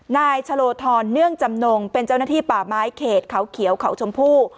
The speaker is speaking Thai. นายชะโลธรเนื่องจำนงเป็นเจ้าหน้าที่ป่าไม้เขตเขาเขียวเขาชมพู่